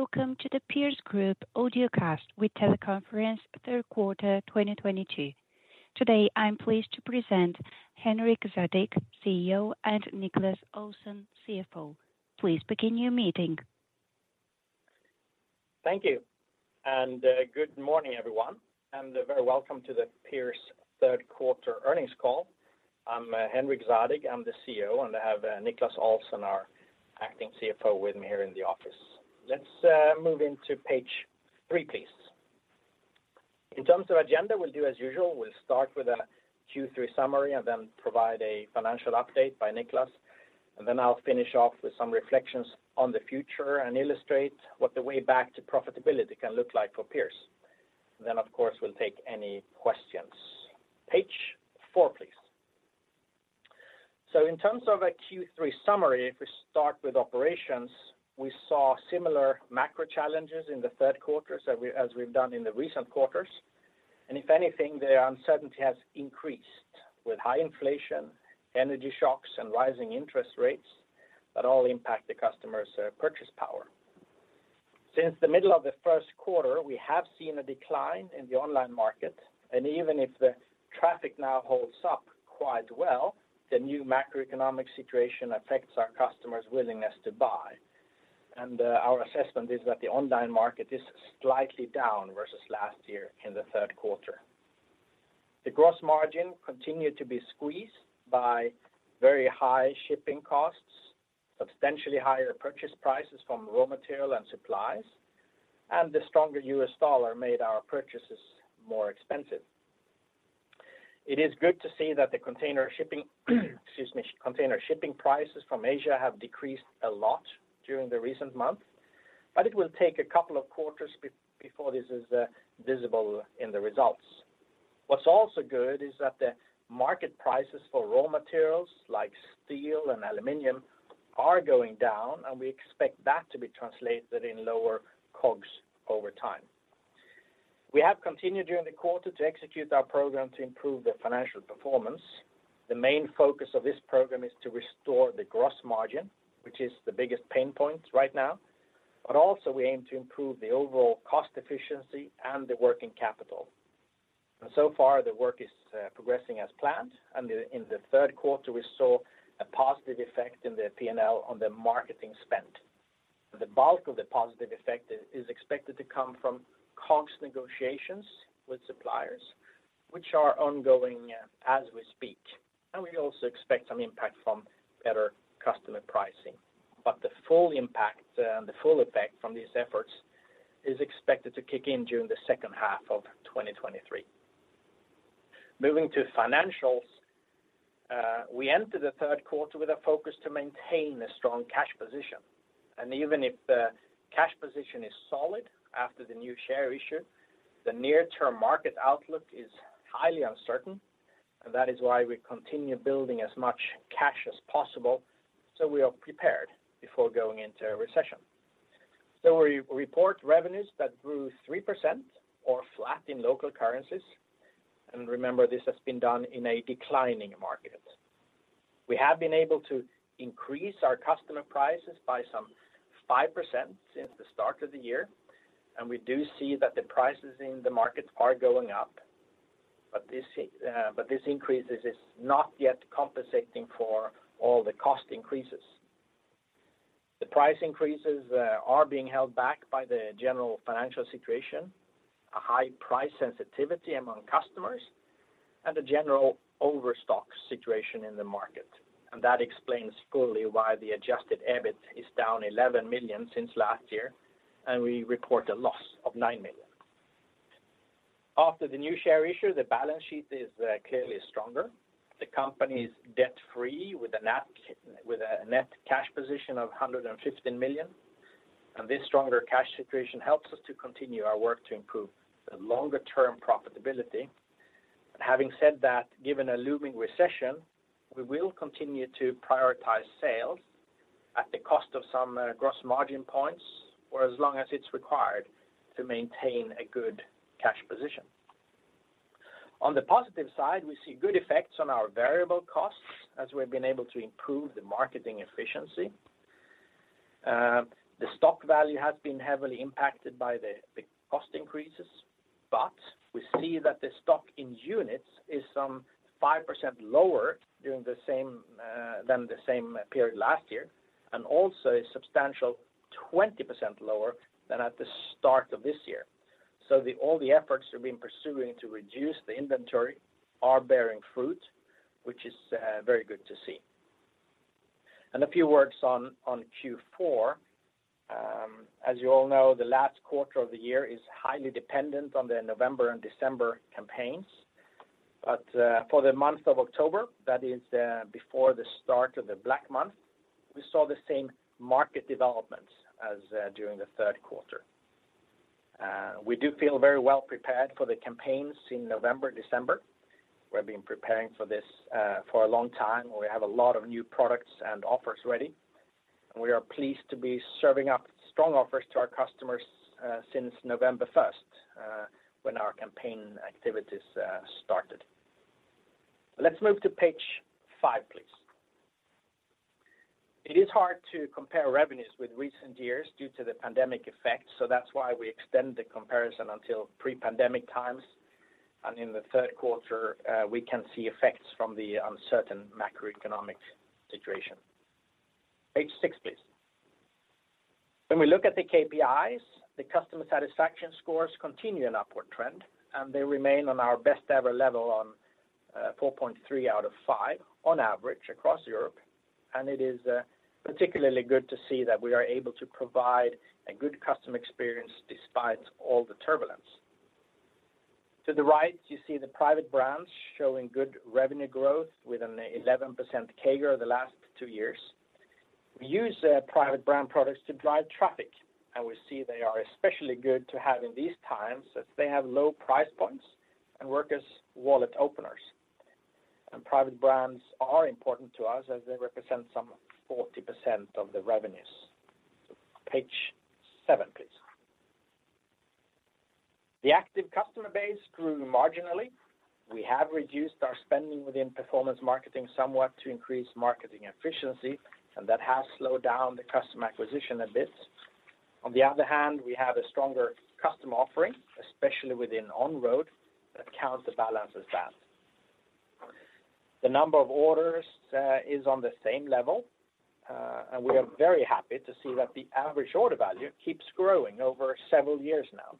Welcome to the Pierce Group audiocast with teleconference third quarter 2022. Today, I'm pleased to present Henrik Zadig, CEO, and Niclas Olsson, CFO. Please begin your meeting. Thank you. Good morning, everyone, and very welcome to the Pierce third quarter earnings call. I'm Henrik Zadig, I'm the CEO, and I have Niclas Olsson, our acting CFO, with me here in the office. Let's move into page three, please. In terms of agenda, we'll do as usual. We'll start with a Q3 summary and then provide a financial update by Niclas, and then I'll finish off with some reflections on the future and illustrate what the way back to profitability can look like for Pierce. Then, of course, we'll take any questions. Page four, please. In terms of a Q3 summary, if we start with operations, we saw similar macro challenges in the third quarter as we've done in the recent quarters. If anything, the uncertainty has increased with high inflation, energy shocks and rising interest rates that all impact the customers' purchase power. Since the middle of the first quarter, we have seen a decline in the online market, and even if the traffic now holds up quite well, the new macroeconomic situation affects our customers' willingness to buy. Our assessment is that the online market is slightly down versus last year in the third quarter. The gross margin continued to be squeezed by very high shipping costs, substantially higher purchase prices from raw material and supplies, and the stronger US dollar made our purchases more expensive. It is good to see that container shipping prices from Asia have decreased a lot during the recent months, but it will take a couple of quarters before this is visible in the results. What's also good is that the market prices for raw materials like steel and aluminum are going down, and we expect that to be translated into lower COGS over time. We have continued during the quarter to execute our program to improve the financial performance. The main focus of this program is to restore the gross margin, which is the biggest pain point right now, but also we aim to improve the overall cost efficiency and the working capital. So far the work is progressing as planned. In the third quarter we saw a positive effect in the P&L on the marketing spend. The bulk of the positive effect is expected to come from COGS negotiations with suppliers, which are ongoing, as we speak. We also expect some impact from better customer pricing. The full impact, the full effect from these efforts is expected to kick in during the second half of 2023. Moving to financials, we enter the third quarter with a focus to maintain a strong cash position, and even if the cash position is solid after the new share issue, the near term market outlook is highly uncertain, and that is why we continue building as much cash as possible, so we are prepared before going into a recession. We report revenues that grew 3% or flat in local currencies. Remember, this has been done in a declining market. We have been able to increase our customer prices by some 5% since the start of the year, and we do see that the prices in the markets are going up. This increase is not yet compensating for all the cost increases. The price increases are being held back by the general financial situation, a high price sensitivity among customers and a general overstock situation in the market. That explains fully why the adjusted EBIT is down 11 million since last year, and we report a loss of nine million. After the new share issue, the balance sheet is clearly stronger. The company is debt free with a net cash position of 115 million. This stronger cash situation helps us to continue our work to improve the longer term profitability. Having said that, given a looming recession, we will continue to prioritize sales at the cost of some gross margin points for as long as it's required to maintain a good cash position. On the positive side, we see good effects on our variable costs as we've been able to improve the marketing efficiency. The stock value has been heavily impacted by the cost increases, but we see that the stock in units is some 5% lower during the same than the same period last year and also a substantial 20% lower than at the start of this year. All the efforts we've been pursuing to reduce the inventory are bearing fruit, which is very good to see. A few words on Q4. As you all know, the last quarter of the year is highly dependent on the November and December campaigns. For the month of October, that is before the start of the Black Month, we saw the same market developments as during the third quarter. We do feel very well prepared for the campaigns in November, December. We've been preparing for this for a long time, and we have a lot of new products and offers ready. We are pleased to be serving up strong offers to our customers since November first, when our campaign activities started. Let's move to page five, please. It is hard to compare revenues with recent years due to the pandemic effect, so that's why we extend the comparison until pre-pandemic times. In the third quarter, we can see effects from the uncertain macroeconomic situation. Page six, please. When we look at the KPIs, the customer satisfaction scores continue an upward trend, and they remain on our best ever level on 4.3 out of five on average across Europe. It is particularly good to see that we are able to provide a good customer experience despite all the turbulence. To the right, you see the private brands showing good revenue growth with an 11% CAGR the last two years. We use private brand products to drive traffic, and we see they are especially good to have in these times as they have low price points and work as wallet openers. Private brands are important to us as they represent some 40% of the revenues. Page 7, please. The active customer base grew marginally. We have reduced our spending within performance marketing somewhat to increase marketing efficiency, and that has slowed down the customer acquisition a bit. On the other hand, we have a stronger customer offering, especially within on-road, that counterbalances that. The number of orders is on the same level, and we are very happy to see that the average order value keeps growing over several years now.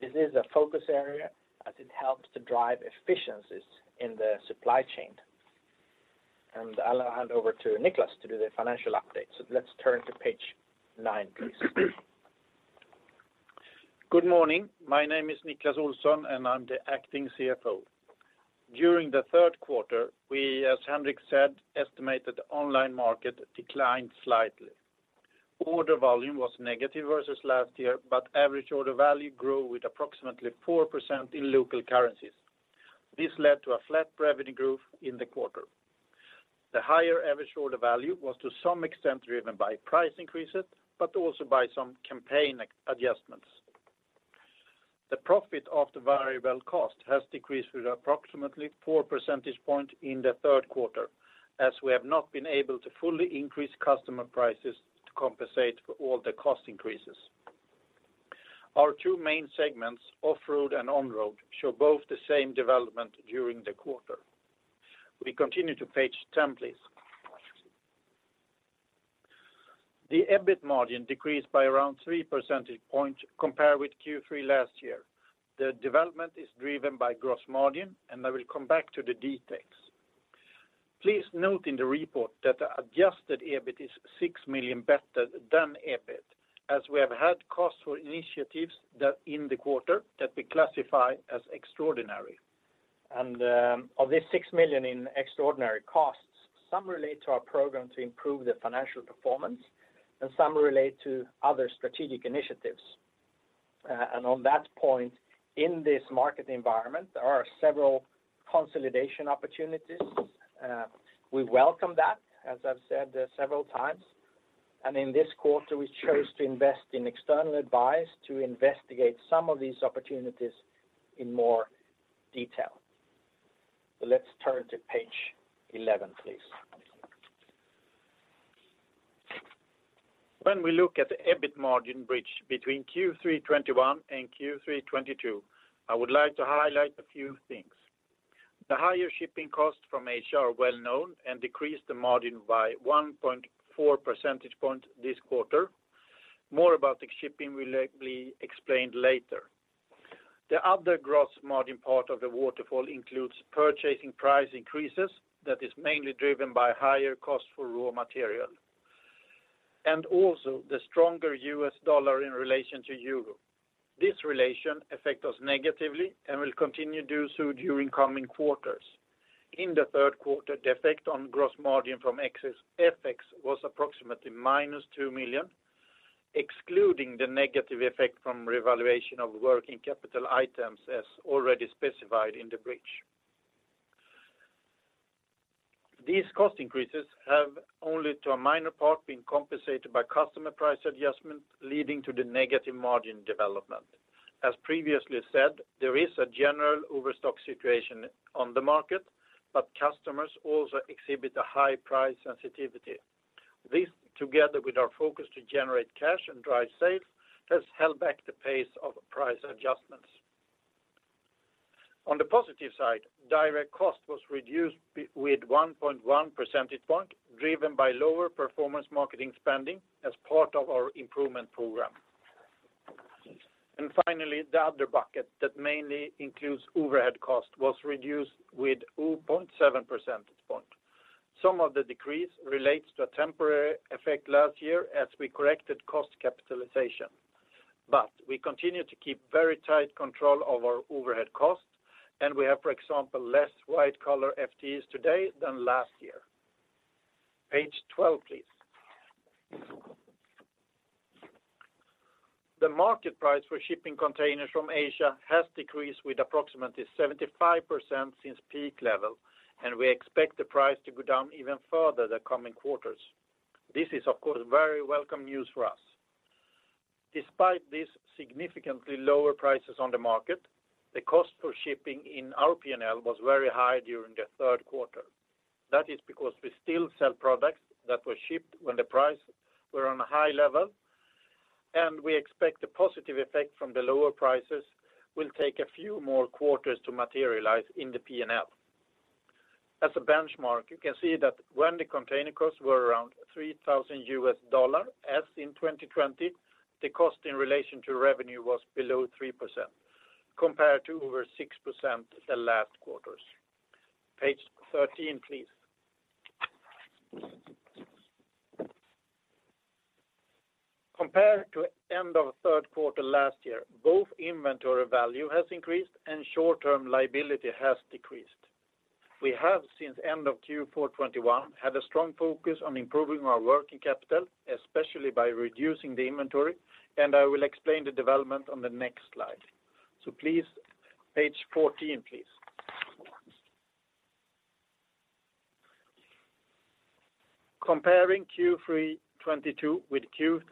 This is a focus area as it helps to drive efficiencies in the supply chain. I'll hand over to Niclas to do the financial update. Let's turn to page nine, please. Good morning. My name is Niclas Olsson, and I'm the acting CFO. During the third quarter, we, as Henrik said, estimated the online market declined slightly. Order volume was negative versus last year, but average order value grew with approximately 4% in local currencies. This led to a flat revenue growth in the quarter. The higher average order value was to some extent driven by price increases, but also by some campaign adjustments. The profit of the variable cost has decreased with approximately four percentage points in the third quarter, as we have not been able to fully increase customer prices to compensate for all the cost increases. Our two main segments, off road and on road, show both the same development during the quarter. We continue to page ten, please. The EBIT margin decreased by around three percentage points compared with Q3 last year. The development is driven by gross margin, and I will come back to the details. Please note in the report that adjusted EBIT is six million better than EBIT, as we have had costs for initiatives that in the quarter that we classify as extraordinary. Of this six million in extraordinary costs, some relate to our program to improve the financial performance and some relate to other strategic initiatives. On that point, in this market environment, there are several consolidation opportunities. We welcome that, as I've said several times. In this quarter, we chose to invest in external advice to investigate some of these opportunities in more detail. Let's turn to page 11, please. When we look at the EBIT margin bridge between Q3 2021 and Q3 2022, I would like to highlight a few things. The higher shipping costs from Asia are well known and decreased the margin by 1.4 percentage points this quarter. More about the shipping will be explained later. The other gross margin part of the waterfall includes purchasing price increases that is mainly driven by higher cost for raw material, and also the stronger US dollar in relation to euro. This relation affect us negatively and will continue to do so during coming quarters. In the third quarter, the effect on gross margin from FX was approximately -2 million, excluding the negative effect from revaluation of working capital items as already specified in the bridge. These cost increases have only to a minor part been compensated by customer price adjustment, leading to the negative margin development. As previously said, there is a general overstock situation on the market, but customers also exhibit a high price sensitivity. This, together with our focus to generate cash and drive sales, has held back the pace of price adjustments. On the positive side, direct cost was reduced with 1.1 percentage points, driven by lower performance marketing spending as part of our improvement program. Finally, the other bucket that mainly includes overhead cost was reduced with 0.7 percentage points. Some of the decrease relates to a temporary effect last year as we corrected cost capitalization. We continue to keep very tight control over overhead costs, and we have, for example, less white-collar FTEs today than last year. Page 12, please. The market price for shipping containers from Asia has decreased with approximately 75% since peak level, and we expect the price to go down even further the coming quarters. This is, of course, very welcome news for us. Despite these significantly lower prices on the market, the cost for shipping in our P&L was very high during the third quarter. That is because we still sell products that were shipped when the price were on a high level, and we expect the positive effect from the lower prices will take a few more quarters to materialize in the P&L. As a benchmark, you can see that when the container costs were around $3,000, as in 2020, the cost in relation to revenue was below 3% compared to over 6% the last quarters. Page 13, please. Compared to end of third quarter last year, both inventory value has increased and short-term liability has decreased. We have, since end of Q4 2021, had a strong focus on improving our working capital, especially by reducing the inventory, and I will explain the development on the next slide. Please, page 14, please. Comparing Q3 2022 with Q3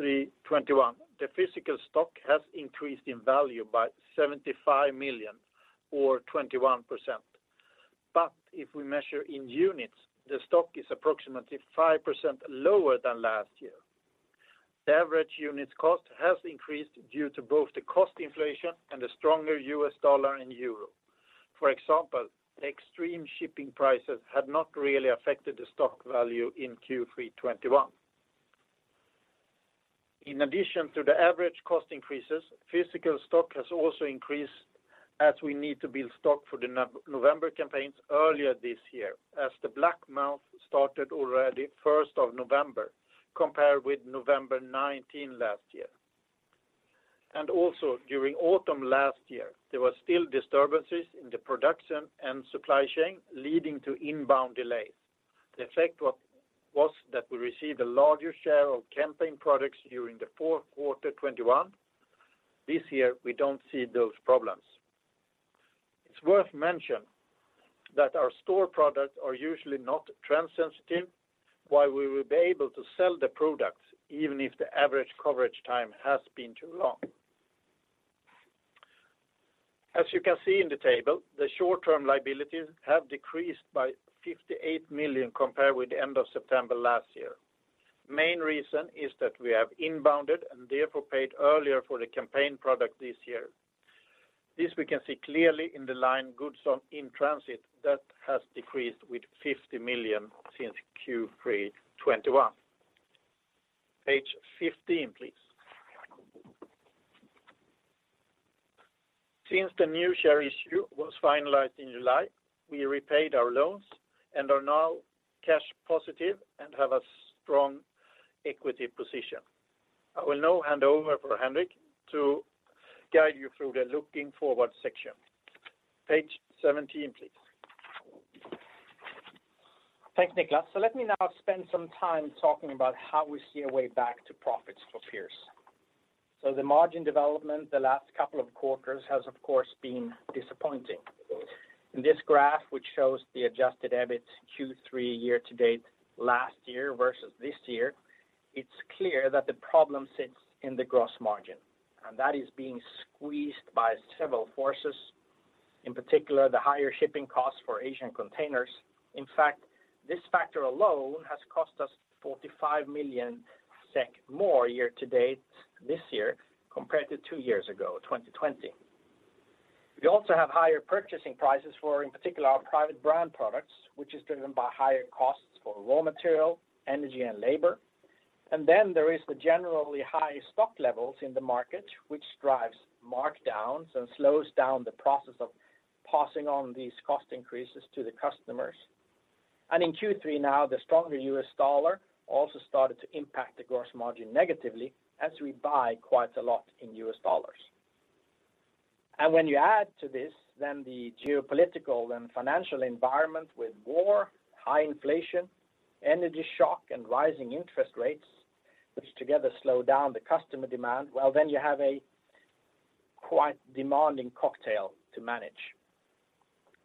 2021, the physical stock has increased in value by 75 million or 21%. If we measure in units, the stock is approximately 5% lower than last year. The average unit cost has increased due to both the cost inflation and the stronger US dollar and euro. For example, the extreme shipping prices had not really affected the stock value in Q3 2021. In addition to the average cost increases, physical stock has also increased as we need to build stock for the November campaigns earlier this year as the Black Month started already first of November, compared with November 19 last year. Also during autumn last year, there were still disturbances in the production and supply chain leading to inbound delays. The effect was that we received a larger share of campaign products during the fourth quarter 2021. This year, we don't see those problems. It's worth mentioning that our store products are usually not trend sensitive, while we will be able to sell the products even if the average coverage time has been too long. As you can see in the table, the short-term liabilities have decreased by 58 million compared with the end of September last year. Main reason is that we have inbounded and therefore paid earlier for the campaign product this year. This we can see clearly in the line goods in transit that has decreased by 50 million since Q3 2021. Page 15, please. Since the new share issue was finalized in July, we repaid our loans and are now cash positive and have a strong equity position. I will now hand over to Henrik to guide you through the Looking Forward section. Page 17, please. Thanks, Niclas. Let me now spend some time talking about how we see a way back to profits for Pierce. The margin development the last couple of quarters has, of course, been disappointing. In this graph, which shows the adjusted EBIT Q3 year to date last year versus this year, it's clear that the problem sits in the gross margin, and that is being squeezed by several forces, in particular, the higher shipping costs for Asian containers. In fact, this factor alone has cost us 45 million SEK more year to date this year compared to two years ago, 2020. We also have higher purchasing prices for, in particular, our private brand products, which is driven by higher costs for raw material, energy and labor. Then there is the generally high stock levels in the market, which drives markdowns and slows down the process of passing on these cost increases to the customers. In Q3 now, the stronger US dollar also started to impact the gross margin negatively as we buy quite a lot in US dollars. When you add to this, then the geopolitical and financial environment with war, high inflation, energy shock and rising interest rates, which together slow down the customer demand, well, then you have a quite demanding cocktail to manage.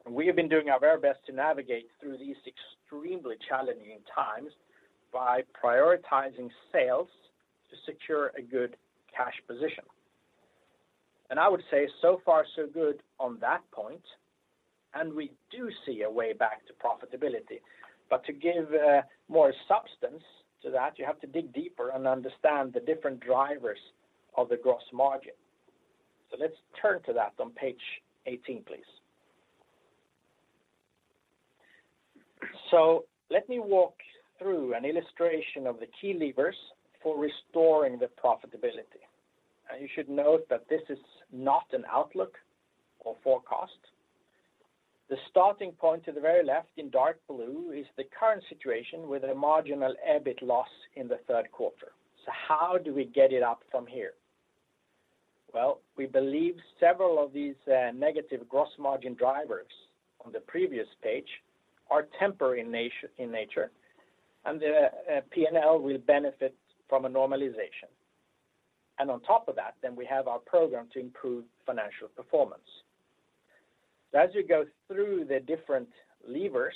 We have been doing our very best to navigate through these extremely challenging times by prioritizing sales to secure a good cash position. I would say, so far so good on that point, and we do see a way back to profitability. To give more substance to that, you have to dig deeper and understand the different drivers of the gross margin. Let's turn to that on page 18, please. Let me walk through an illustration of the key levers for restoring the profitability. You should note that this is not an outlook or forecast. The starting point to the very left in dark blue is the current situation with a marginal EBIT loss in the third quarter. How do we get it up from here? Well, we believe several of these negative gross margin drivers on the previous page are temporary in nature, and the P&L will benefit from a normalization. On top of that, then we have our program to improve financial performance. As you go through the different levers,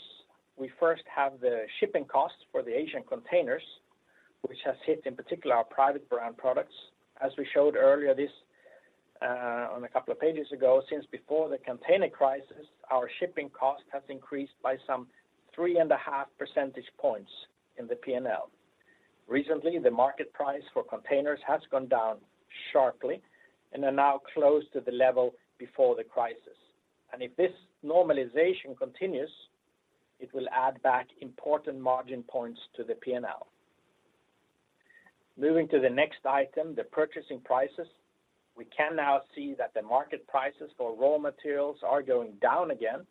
we first have the shipping costs for the Asian containers, which has hit, in particular, our private brand products. As we showed earlier this, on a couple of pages ago, since before the container crisis, our shipping cost has increased by some 3.5 percentage points in the P&L. Recently, the market price for containers has gone down sharply and are now close to the level before the crisis. If this normalization continues, it will add back important margin points to the P&L. Moving to the next item, the purchasing prices. We can now see that the market prices for raw materials are going down again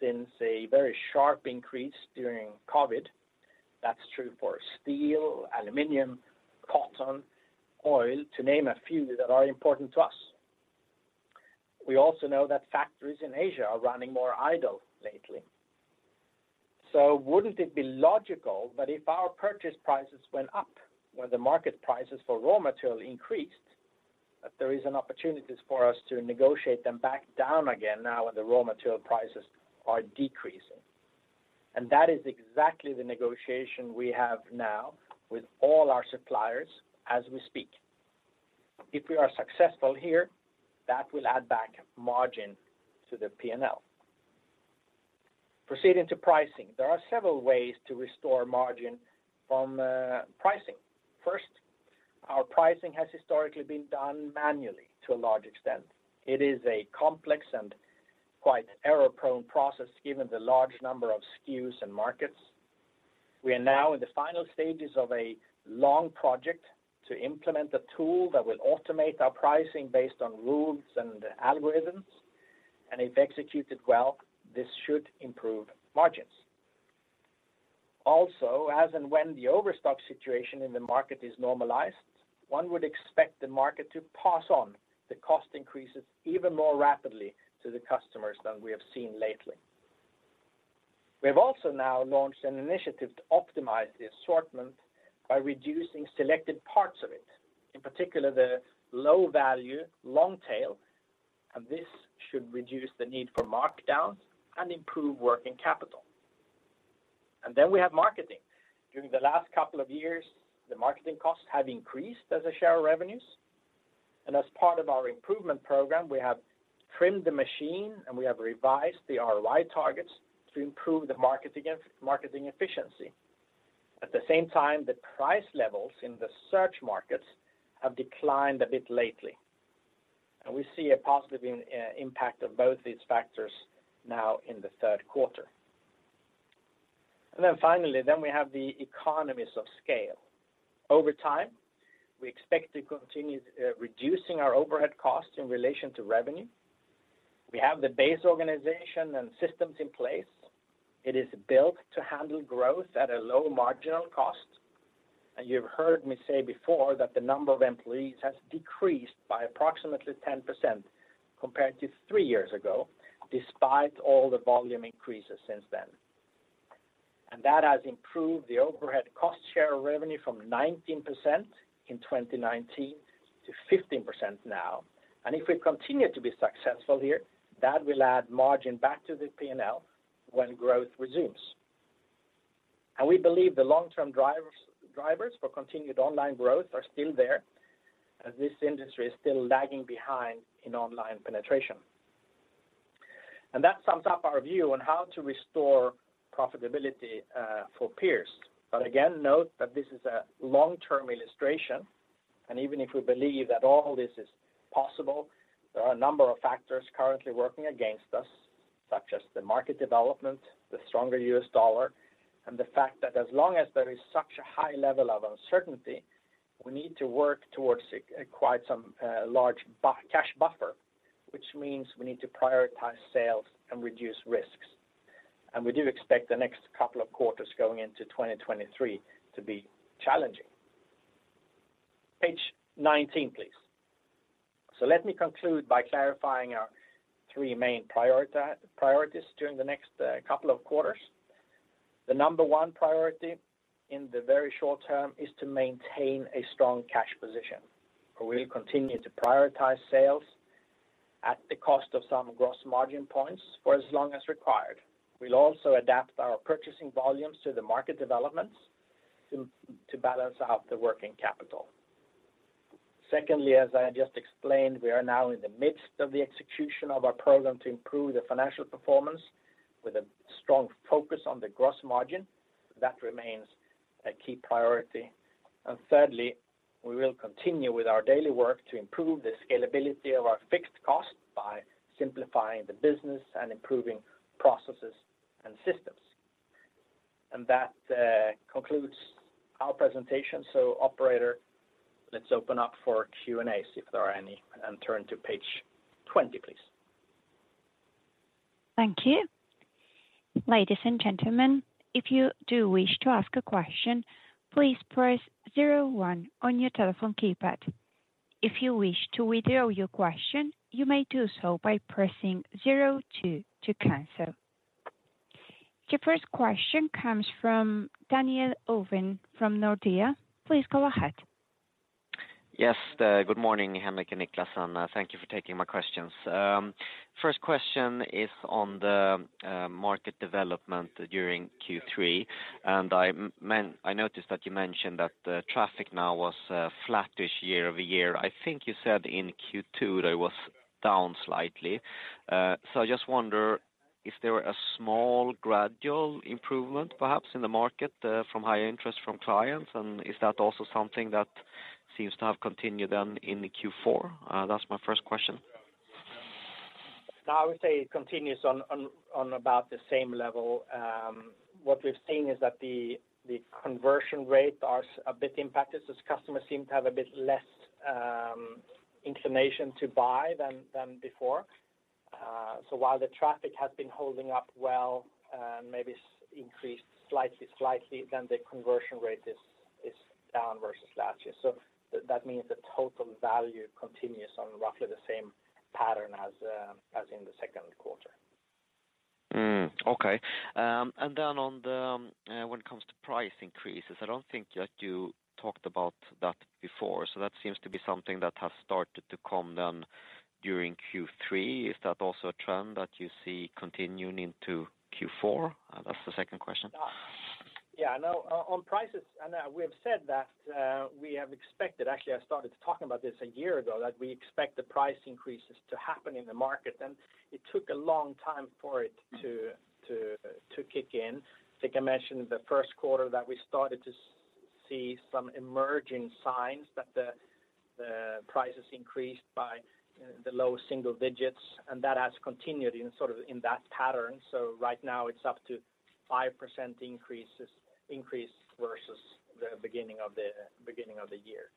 since a very sharp increase during COVID. That's true for steel, aluminum, cotton, oil, to name a few that are important to us. We also know that factories in Asia are running more idle lately. Wouldn't it be logical that if our purchase prices went up when the market prices for raw material increased, that there is an opportunities for us to negotiate them back down again now when the raw material prices are decreasing? That is exactly the negotiation we have now with all our suppliers as we speak. If we are successful here, that will add back margin to the P&L. Proceeding to pricing. There are several ways to restore margin from pricing. First, our pricing has historically been done manually to a large extent. It is a complex and quite error-prone process, given the large number of SKUs and markets. We are now in the final stages of a long project to implement a tool that will automate our pricing based on rules and algorithms, and if executed well, this should improve margins. Also, as and when the overstock situation in the market is normalized, one would expect the market to pass on the cost increases even more rapidly to the customers than we have seen lately. We have also now launched an initiative to optimize the assortment by reducing selected parts of it, in particular, the low value long tail, and this should reduce the need for markdowns and improve working capital. Then we have marketing. During the last couple of years, the marketing costs have increased as a share of revenues. As part of our improvement program, we have trimmed the machine, and we have revised the ROI targets to improve the marketing efficiency. At the same time, the price levels in the search markets have declined a bit lately, and we see a positive impact of both these factors now in the third quarter. Finally, we have the economies of scale. Over time, we expect to continue reducing our overhead costs in relation to revenue. We have the base organization and systems in place. It is built to handle growth at a low marginal cost. You've heard me say before that the number of employees has decreased by approximately 10% compared to three years ago, despite all the volume increases since then. That has improved the overhead cost share of revenue from 19% in 2019 to 15% now. If we continue to be successful here, that will add margin back to the P&L when growth resumes. We believe the long-term drivers for continued online growth are still there, as this industry is still lagging behind in online penetration. That sums up our view on how to restore profitability for Pierce Group. Again, note that this is a long-term illustration, and even if we believe that all this is possible, there are a number of factors currently working against us, such as the market development, the stronger US dollar, and the fact that as long as there is such a high level of uncertainty, we need to work towards quite some large cash buffer, which means we need to prioritize sales and reduce risks. We do expect the next couple of quarters going into 2023 to be challenging. Page 19, please. Let me conclude by clarifying our three main priorities during the next couple of quarters. The number one priority in the very short term is to maintain a strong cash position. We'll continue to prioritize sales at the cost of some gross margin points for as long as required. We'll also adapt our purchasing volumes to the market developments to balance out the working capital. Secondly, as I just explained, we are now in the midst of the execution of our program to improve the financial performance with a strong focus on the gross margin. That remains a key priority. Thirdly, we will continue with our daily work to improve the scalability of our fixed cost by simplifying the business and improving processes and systems. That concludes our presentation. Operator, let's open up for Q&A, see if there are any, and turn to page 20, please. Thank you. Ladies and gentlemen, if you do wish to ask a question, please press zero one on your telephone keypad. If you wish to withdraw your question, you may do so by pressing zero two to cancel. Your first question comes from Daniel Ovin from Nordea. Please go ahead. Yes. Good morning, Henrik and Niclas, and thank you for taking my questions. First question is on the market development during Q3. I noticed that you mentioned that the traffic now was flattish year-over-year. I think you said in Q2 that it was down slightly. I just wonder if there were a small gradual improvement, perhaps in the market, from high interest from clients. Is that also something that seems to have continued on in the Q4? That's my first question. No, I would say it continues on about the same level. What we've seen is that the conversion rate is a bit impacted as customers seem to have a bit less inclination to buy than before. While the traffic has been holding up well, and maybe has increased slightly, then the conversion rate is down versus last year. That means the total value continues on roughly the same pattern as in the second quarter. Okay. When it comes to price increases, I don't think that you talked about that before. That seems to be something that has started to come down during Q3. Is that also a trend that you see continuing into Q4? That's the second question. Yeah, I know on prices, and we have said that we have expected. Actually, I started to talk about this a year ago, that we expect the price increases to happen in the market, and it took a long time for it to kick in. I think I mentioned the first quarter that we started to see some emerging signs that the prices increased by the low single digits, and that has continued in sort of in that pattern. Right now it's up to 5% increase versus the beginning of the year.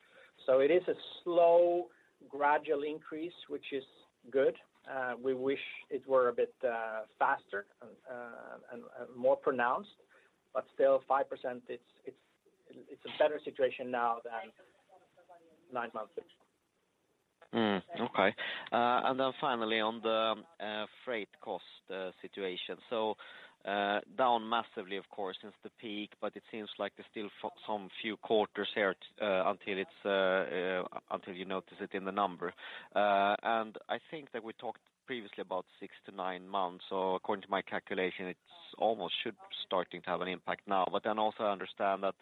It is a slow, gradual increase, which is good. We wish it were a bit faster and more pronounced, but still 5% it's a better situation now than nine months ago. Okay. Then finally on the freight cost situation. Down massively of course since the peak, but it seems like there's still some few quarters here until you notice it in the number. I think that we talked previously about six to nine months. According to my calculation it's almost should starting to have an impact now. Also I understand that,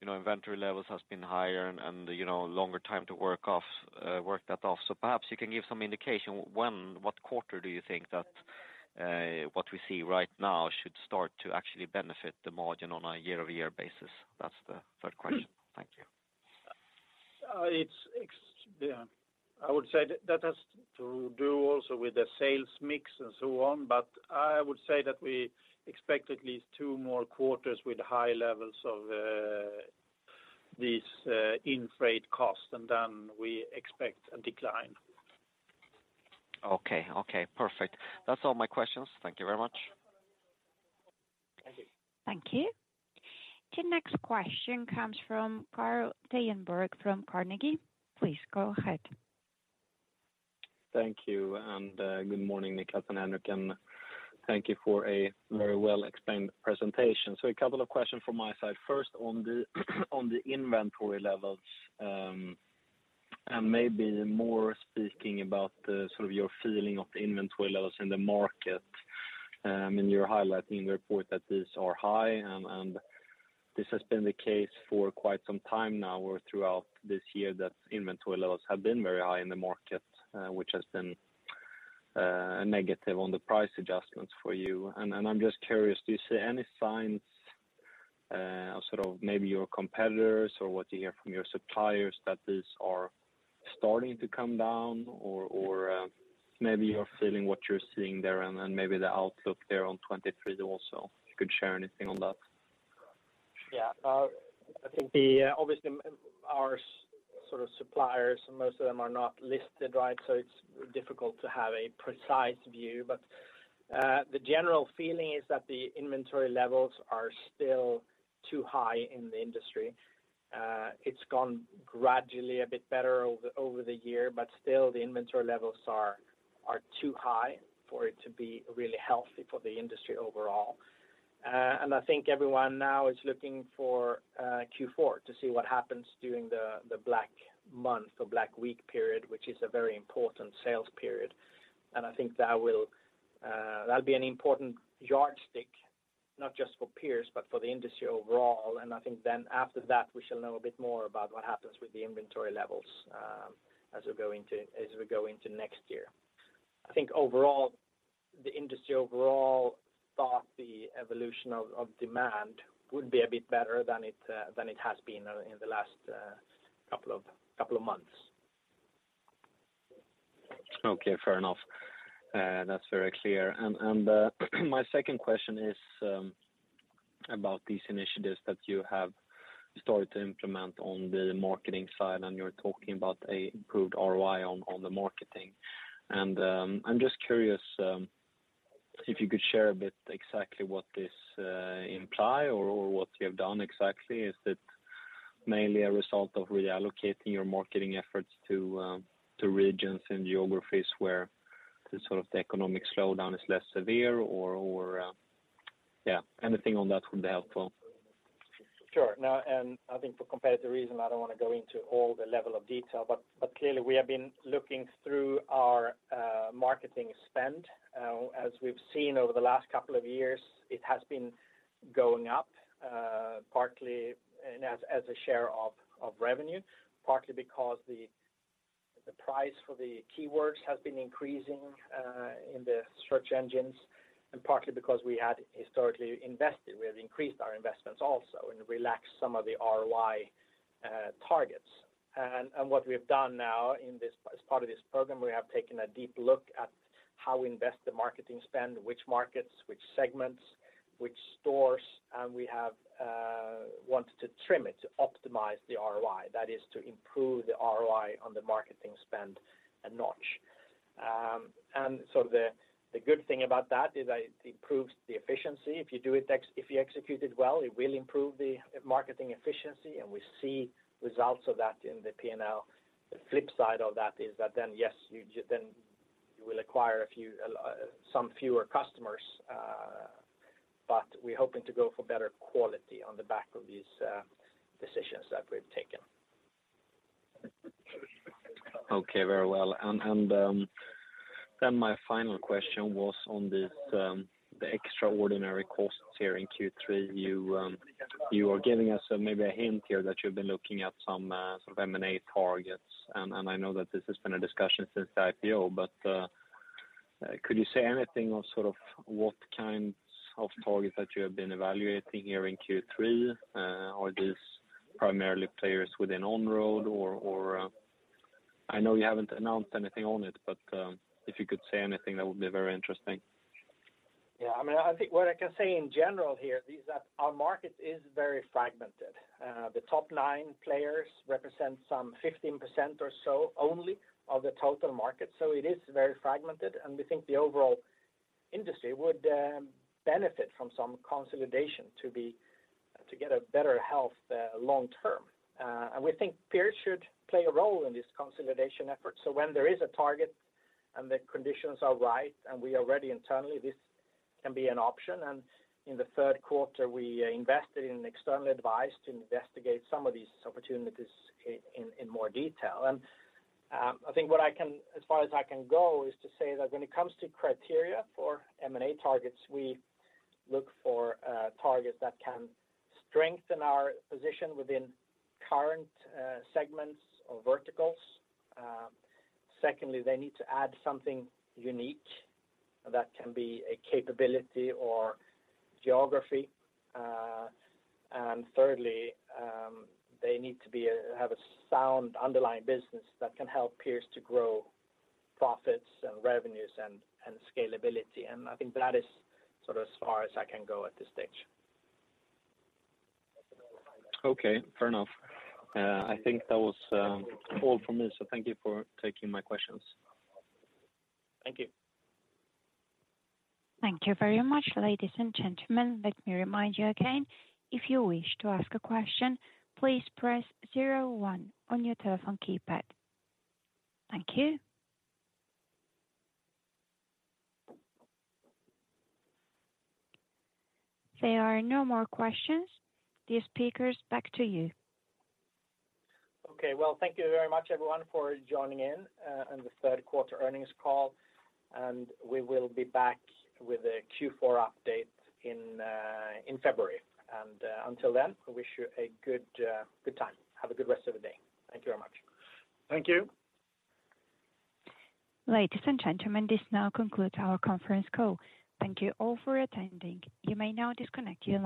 you know, inventory levels has been higher and, you know, longer time to work off work that off. Perhaps you can give some indication when what quarter do you think that what we see right now should start to actually benefit the margin on a year-over-year basis? That's the third question. Thank you. It's yeah. I would say that has to do also with the sales mix and so on. I would say that we expect at least two more quarters with high levels of these freight-in costs, and then we expect a decline. Okay. Okay, perfect. That's all my questions. Thank you very much. Thank you. Thank you. The next question comes from Carl Deijenberg from Carnegie. Please go ahead. Thank you and good morning, Niclas and Henrik, and thank you for a very well explained presentation. A couple of questions from my side. First, on the inventory levels, and maybe more speaking about the sort of your feeling of the inventory levels in the market. I mean, you're highlighting in the report that these are high and this has been the case for quite some time now or throughout this year, that inventory levels have been very high in the market, which has been a negative on the price adjustments for you. I'm just curious, do you see any signs of sort of maybe your competitors or what you hear from your suppliers that these are starting to come down or maybe you're feeling what you're seeing there and then maybe the outlook there on 2023 also? If you could share anything on that. I think obviously our sort of suppliers, most of them are not listed, right? It's difficult to have a precise view. The general feeling is that the inventory levels are still too high in the industry. It's gone gradually a bit better over the year, but still the inventory levels are too high for it to be really healthy for the industry overall. I think everyone now is looking for Q4 to see what happens during the Black Month or Black Week period, which is a very important sales period. I think that'll be an important yardstick not just for peers, but for the industry overall. I think then after that, we shall know a bit more about what happens with the inventory levels, as we go into next year. I think overall, the industry overall thought the evolution of demand would be a bit better than it has been in the last couple of months. Okay. Fair enough. That's very clear. My second question is about these initiatives that you have started to implement on the marketing side, and you're talking about an improved ROI on the marketing. I'm just curious if you could share a bit exactly what you have done exactly. Is it mainly a result of reallocating your marketing efforts to regions and geographies where the sort of economic slowdown is less severe or yeah, anything on that would be helpful. Sure. Now, I think for competitive reasons, I don't want to go into all the level of detail, but clearly we have been looking through our marketing spend. As we've seen over the last couple of years, it has been going up, partly as a share of revenue, partly because the price for the keywords has been increasing in the search engines, and partly because we had historically invested. We have increased our investments also and relaxed some of the ROI targets. What we have done now in this as part of this program, we have taken a deep look at how we invest the marketing spend, which markets, which segments, which stores, and we have wanted to trim it to optimize the ROI. That is to improve the ROI on the marketing spend a notch. The good thing about that is that it improves the efficiency. If you execute it well, it will improve the marketing efficiency, and we see results of that in the P&L. The flip side of that is that you will acquire some fewer customers, but we're hoping to go for better quality on the back of these decisions that we've taken. Okay, very well. My final question was on this, the extraordinary costs here in Q3. You are giving us maybe a hint here that you've been looking at some sort of M&A targets, and I know that this has been a discussion since the IPO, but could you say anything of sort of what kinds of targets that you have been evaluating here in Q3? Are these primarily players within on-road? I know you haven't announced anything on it, but if you could say anything, that would be very interesting. Yeah, I mean, I think what I can say in general here is that our market is very fragmented. The top nine players represent some 15% or so only of the total market, so it is very fragmented, and we think the overall industry would benefit from some consolidation to be to get a better health long term. We think Pierce should play a role in this consolidation effort. When there is a target and the conditions are right and we are ready internally, this can be an option. In the third quarter we invested in external advice to investigate some of these opportunities in more detail. I think what I can, as far as I can go is to say that when it comes to criteria for M&A targets, we look for targets that can strengthen our position within current segments or verticals. Secondly, they need to add something unique that can be a capability or geography. Thirdly, they need to have a sound underlying business that can help Pierce to grow profits and revenues and scalability. I think that is sort of as far as I can go at this stage. Okay, fair enough. I think that was all from me, so thank you for taking my questions. Thank you. Thank you very much, ladies and gentlemen. Let me remind you again, if you wish to ask a question, please press zero one on your telephone keypad. Thank you. There are no more questions. Dear speakers, back to you. Okay. Well, thank you very much everyone for joining in on the third quarter earnings call, and we will be back with a Q4 update in February. Until then, I wish you a good time. Have a good rest of the day. Thank you very much. Thank you. Ladies and gentlemen, this now concludes our conference call. Thank you all for attending. You may now disconnect your line.